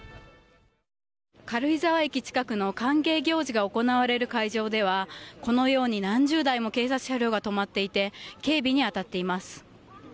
軽井沢駅近くの歓迎行事が行われる会場ではこのように何十台も警察車両が止まっていて警備に当たっています。